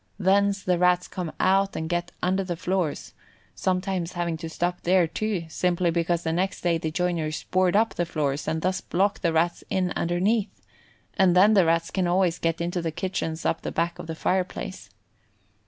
Thence the Rats come out and get under the floors, sometimes having to stop there, too, simply because the next day the joiners board up the floors and thus block the Rats in underneath, and then the Rats can always get into the kitchens up the back of the fireplace.